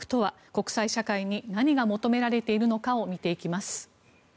国際社会に何が求められているのかを見ていきます。